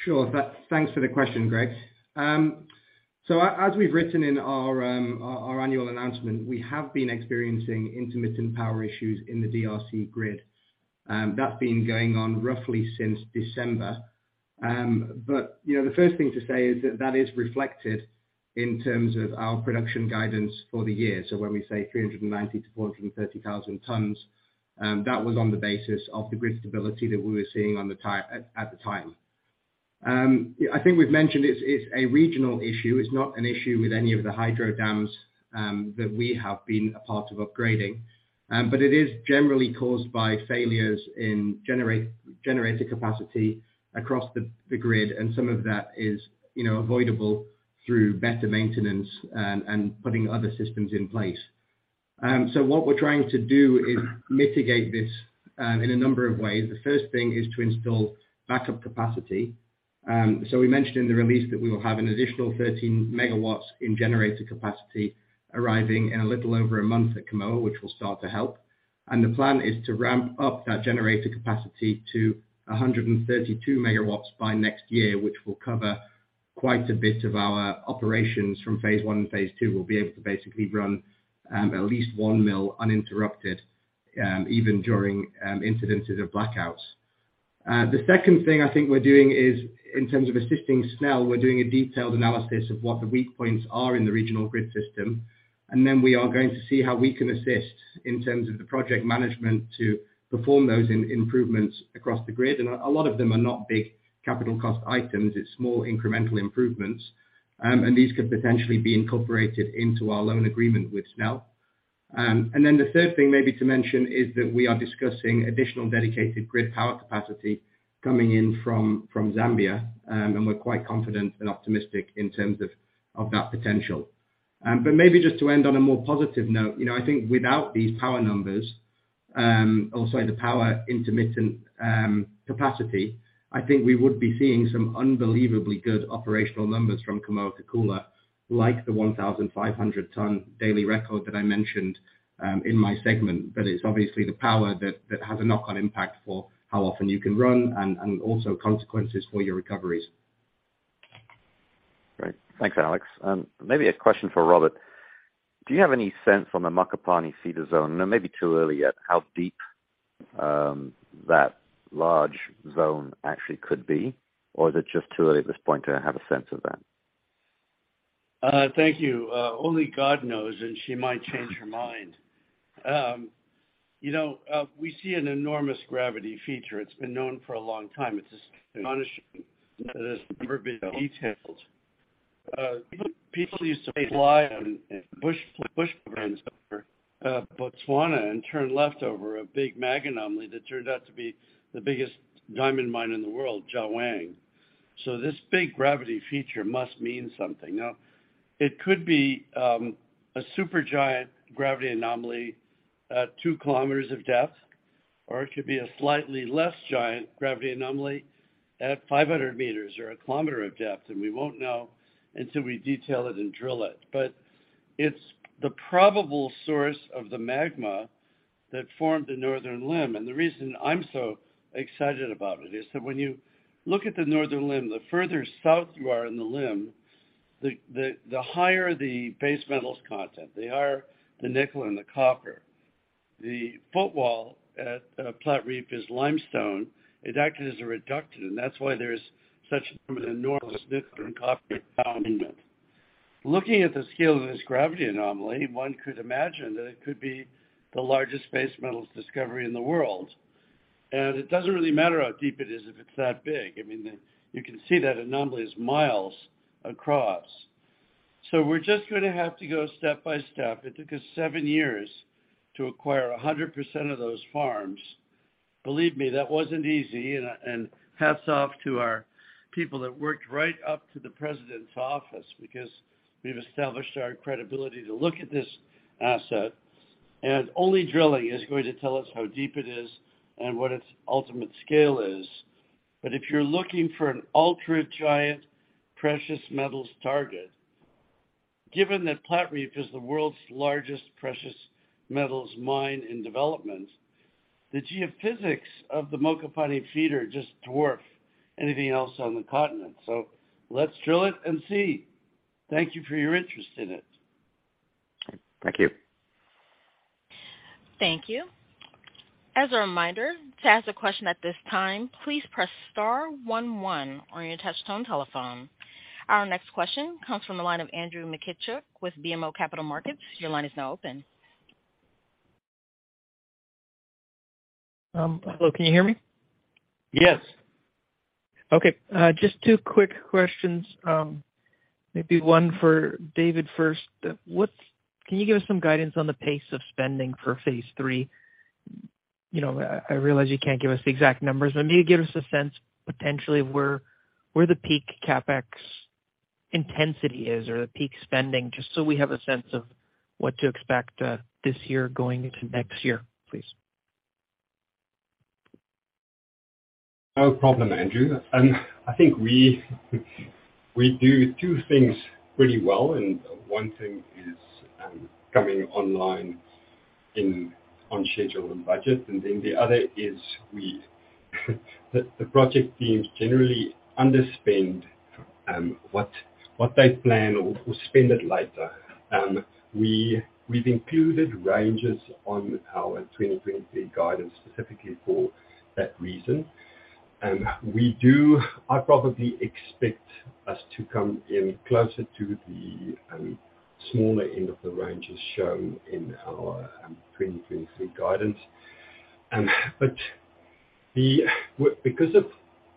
Sure. Thanks for the question, Greg. As we've written in our annual announcement, we have been experiencing intermittent power issues in the DRC grid. That's been going on roughly since December. You know, the first thing to say is that that is reflected in terms of our production guidance for the year. When we say 390,000-430,000 tons, that was on the basis of the grid stability that we were seeing at the time. I think we've mentioned it's a regional issue. It's not an issue with any of the hydro dams that we have been a part of upgrading. But it is generally caused by failures in generator capacity across the grid, and some of that is, you know, avoidable through better maintenance and putting other systems in place. What we're trying to do is mitigate this in a number of ways. The first thing is to install backup capacity. We mentioned in the release that we will have an additional 13 megawatts in generator capacity arriving in a little over a month at Kamoa, which will start to help. The plan is to ramp up that generator capacity to 132 megawatts by next year, which will cover-. Quite a bit of our operations from phase 1 and phase 2 will be able to basically run, at least one mill uninterrupted, even during incidences of blackouts. The second thing I think we're doing is in terms of assisting SNEL, we're doing a detailed analysis of what the weak points are in the regional grid system, and then we are going to see how we can assist in terms of the project management to perform those improvements across the grid. A lot of them are not big capital cost items, it's small incremental improvements. These could potentially be incorporated into our loan agreement with SNEL. The third thing maybe to mention is that we are discussing additional dedicated grid power capacity coming in from Zambia, and we're quite confident and optimistic in terms of that potential. Maybe just to end on a more positive note, you know, I think without these power numbers, also the power intermittent capacity, I think we would be seeing some unbelievably good operational numbers from Kamoa-Kakula, like the 1,500 ton daily record that I mentioned in my segment. It's obviously the power that has a knock-on impact for how often you can run and also consequences for your recoveries. Great. Thanks, Alex. Maybe a question for Robert. Do you have any sense on the Mokopane Feeder? It may be too early yet, how deep, that large zone actually could be, or is it just too early at this point to have a sense of that? Thank you. Only God knows, and she might change her mind. You know, we see an enormous gravity feature. It's been known for a long time. It's astonishing that it's never been detailed. People used to fly on bush planes over Botswana and turn left over a big mag anomaly that turned out to be the biggest diamond mine in the world, Jwaneng. This big gravity feature must mean something. Now, it could be a super giant gravity anomaly at 2 kilometers of depth, or it could be a slightly less giant gravity anomaly at 500 meters or 1 kilometer of depth. We won't know until we detail it and drill it. It's the probable source of the magma that formed the northern limb. The reason I'm so excited about it is that when you look at the northern limb, the further south you are in the limb, the higher the base metals content, the higher the nickel and the copper. The footwall at Platreef is limestone. It acted as a reductant. That's why there's such an enormous nickel and copper endowment. Looking at the scale of this gravity anomaly, one could imagine that it could be the largest base metals discovery in the world. It doesn't really matter how deep it is, if it's that big. I mean, you can see that anomaly is miles across. We're just gonna have to go step by step. It took us 7 years to acquire 100% of those farms. Believe me, that wasn't easy. Hats off to our people that worked right up to the President's office because we've established our credibility to look at this asset, and only drilling is going to tell us how deep it is and what its ultimate scale is. If you're looking for an ultra giant precious metals target, given that Platreef is the world's largest precious metals mine in development, the geophysics of the Mokopane Feeder just dwarf anything else on the continent. Let's drill it and see. Thank you for your interest in it. Thank you. Thank you. As a reminder, to ask a question at this time, please press star one one on your touch tone telephone. Our next question comes from the line of Andrew Mikitchook with BMO Capital Markets. Your line is now open. Hello, can you hear me? Yes. Okay. Just two quick questions. Maybe one for David first. Can you give us some guidance on the pace of spending for Phase 3? You know, I realize you can't give us the exact numbers. Maybe give us a sense potentially where the peak CapEx intensity is or the peak spending, just so we have a sense of what to expect, this year going into next year, please. No problem, Andrew. I think we do two things pretty well, one thing is coming online in on schedule and budget, the other is we, the project teams generally underspend what they plan or spend it later. We've included ranges on our 2023 guidance specifically for that reason. I probably expect us to come in closer to the smaller end of the ranges shown in our 2023 guidance.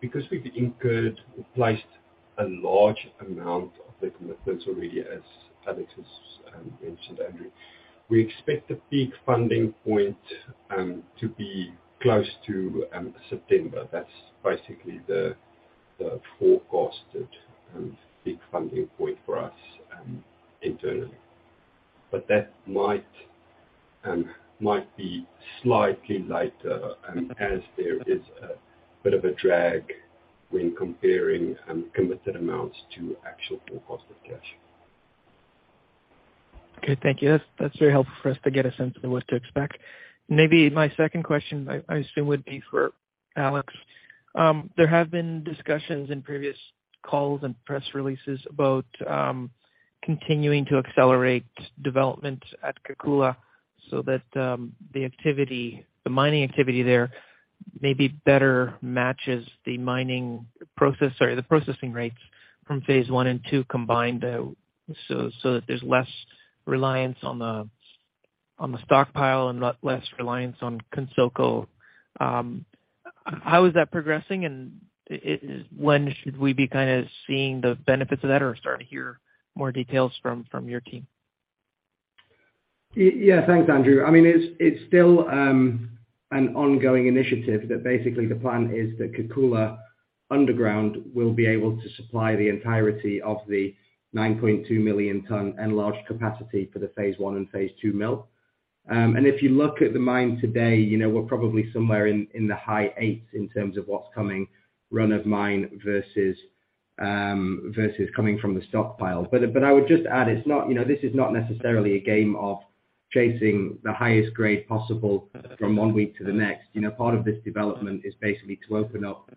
Because we've incurred, we've placed a large amount of the commitments already, as Alex has mentioned, Andrew, we expect the peak funding point to be close to September. That's basically the forecasted peak funding point for us internally. That might be slightly later, as there is a bit of a drag when comparing uncommitted amounts to actual full cost of cash. Thank you. That's very helpful for us to get a sense of what to expect. Maybe my second question I assume would be for Alex. There have been discussions in previous calls and press releases about continuing to accelerate development at Kakula so that the activity, the mining activity there maybe better matches the mining process or the processing rates from Phase 1 and 2 combined, so that there's less reliance on the stockpile and Lot less reliance on Kansoko. How is that progressing and when should we be kind of seeing the benefits of that or start to hear more details from your team? Yeah, thanks, Andrew. I mean, it's still an ongoing initiative that basically the plan is that Kakula underground will be able to supply the entirety of the 9.2 million ton enlarged capacity for the Phase 1 and Phase 2 mill. If you look at the mine today, you know, we're probably somewhere in the high 8s in terms of what's coming Run of Mine versus coming from the stockpile. I would just add it's not, you know, this is not necessarily a game of chasing the highest grade possible from one week to the next. You know, part of this development is basically to open up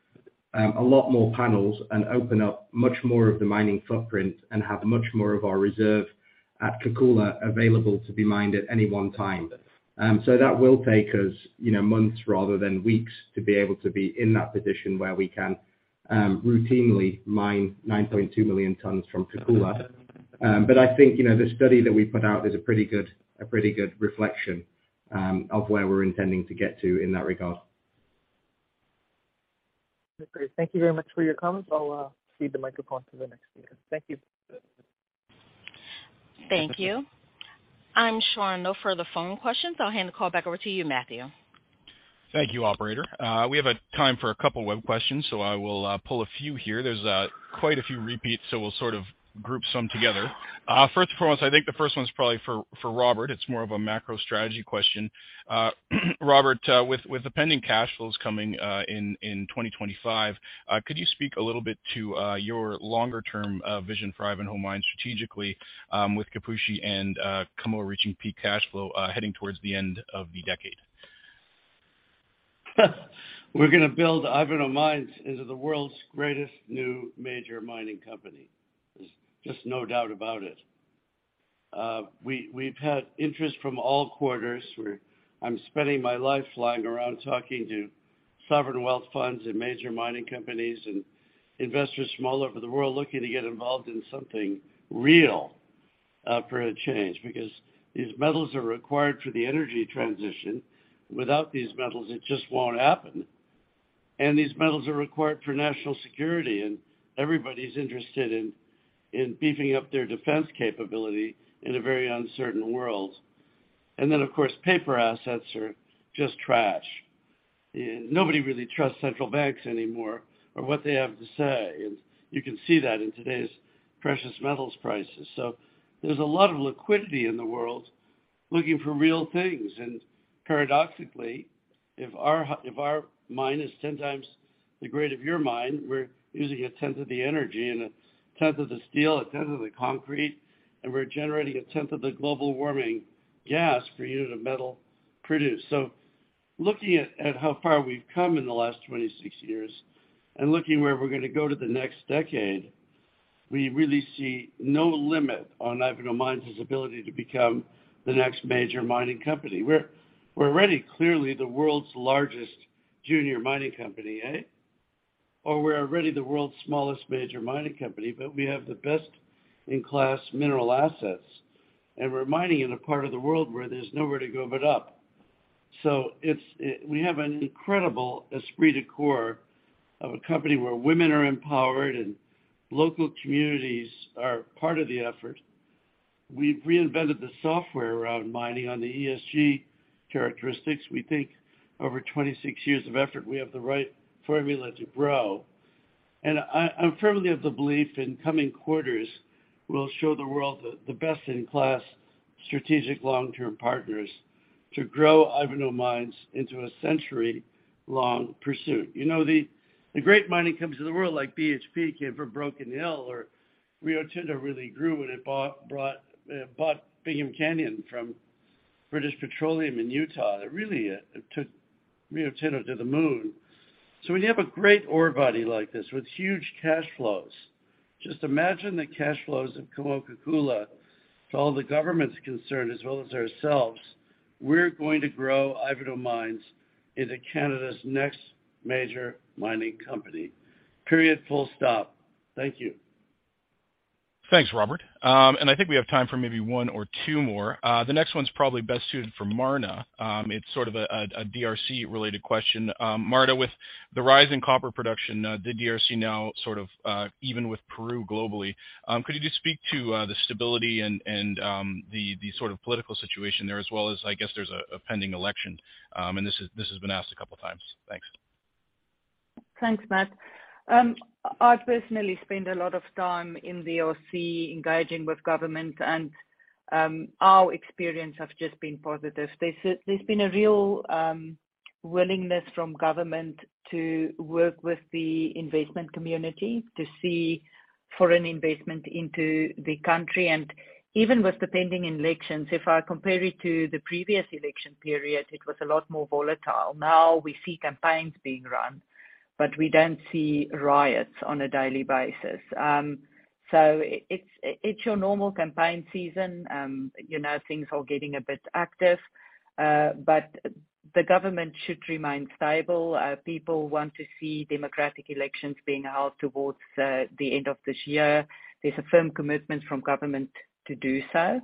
a lot more panels and open up much more of the mining footprint and have much more of our reserve at Kakula available to be mined at any one time. That will take us, you know, months rather than weeks to be able to be in that position where we can, routinely mine 9.2 million tons from Kakula. I think, you know, the study that we put out is a pretty good reflection, of where we're intending to get to in that regard. Okay. Thank you very much for your comments. I'll cede the microphone to the next speaker. Thank you. Thank you. I'm showing no further phone questions. I'll hand the call back over to you, Matthew. Thank you, operator. We have a time for a couple of web questions, so I will pull a few here. There's quite a few repeats, so we'll sort of group some together. First and foremost, I think the first one is probably for Robert. It's more of a macro strategy question. Robert, with the pending cash flows coming in 2025, could you speak a little bit to your longer-term vision for Ivanhoe Mines strategically, with Kipushi and Kamoa reaching peak cash flow, heading towards the end of the decade? We're gonna build Ivanhoe Mines into the world's greatest new major mining company. There's just no doubt about it. We've had interest from all quarters where I'm spending my life flying around talking to sovereign wealth funds and major mining companies and investors from all over the world looking to get involved in something real for a change, because these metals are required for the energy transition. Without these metals, it just won't happen. These metals are required for national security, and everybody's interested in beefing up their defense capability in a very uncertain world. Then, of course, paper assets are just trash. Nobody really trusts central banks anymore or what they have to say. You can see that in today's precious metals prices. There's a lot of liquidity in the world looking for real things. Paradoxically, if our mine is 10 times the grade of your mine, we're using a tenth of the energy and a tenth of the steel, a tenth of the concrete, and we're generating a tenth of the global warming gas per unit of metal produced. Looking at how far we've come in the last 26 years and looking where we're gonna go to the next decade, we really see no limit on Ivanhoe Mines' ability to become the next major mining company. We're already clearly the world's largest junior mining company, eh? We're already the world's smallest major mining company, but we have the best-in-class mineral assets, and we're mining in a part of the world where there's nowhere to go but up. We have an incredible esprit de corps of a company where women are empowered and local communities are part of the effort. We've reinvented the software around mining on the ESG characteristics. We think over 26 years of effort, we have the right formula to grow. I'm firmly of the belief in coming quarters will show the world the best-in-class strategic long-term partners to grow Ivanhoe Mines into a century-long pursuit. You know, the great mining companies of the world like BHP came from Broken Hill, or Rio Tinto really grew when it bought Bingham Canyon from British Petroleum in Utah. It really took Rio Tinto to the moon. When you have a great ore body like this with huge cash flows, just imagine the cash flows of Kamoa-Kakula to all the governments concerned as well as ourselves. We're going to grow Ivanhoe Mines into Canada's next major mining company. Period. Full stop. Thank you. Thanks, Robert. I think we have time for maybe one or two more. The next one's probably best suited for Marna. It's sort of a DRC related question. Marna, with the rise in copper production, the DRC now sort of, even with Peru globally, could you just speak to, the stability and, the sort of political situation there as well as, I guess there's a pending election? This has been asked a couple times. Thanks. Thanks, Matt. I personally spend a lot of time in the DRC engaging with government and our experience has just been positive. There's been a real willingness from government to work with the investment community to see foreign investment into the country. Even with the pending elections, if I compare it to the previous election period, it was a lot more volatile. Now we see campaigns being run, but we don't see riots on a daily basis. So it's your normal campaign season. You know, things are getting a bit active, but the government should remain stable. People want to see democratic elections being held towards the end of this year. There's a firm commitment from government to do so.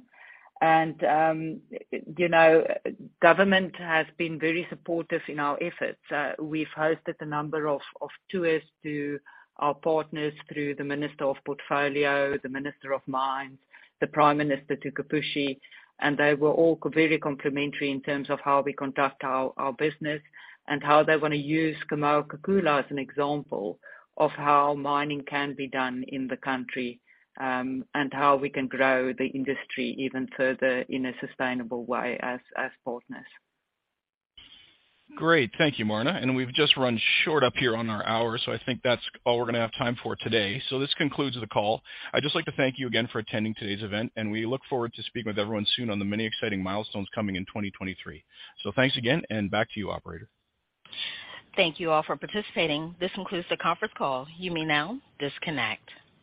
You know, government has been very supportive in our efforts. We've hosted a number of tours to our partners through the minister of portfolio, the minister of mines, the prime minister to Kipushi. They were all very complimentary in terms of how we conduct our business and how they wanna use Kamoa-Kakula as an example of how mining can be done in the country, and how we can grow the industry even further in a sustainable way as partners. Great. Thank you, Marna. We've just run short up here on our hour, so I think that's all we're gonna have time for today. This concludes the call. I'd just like to thank you again for attending today's event, and we look forward to speaking with everyone soon on the many exciting milestones coming in 2023. Thanks again and back to you, operator. Thank you all for participating. This concludes the conference call. You may now disconnect.